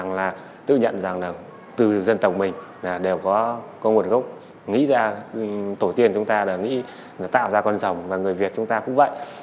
nghĩ ra tổ tiên chúng ta đã nghĩ tạo ra con rồng và người việt chúng ta cũng vậy